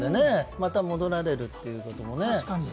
また戻られるということもね。